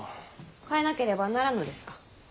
変えなければならんのですか？